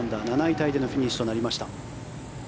タイでのフィニッシュとなりました。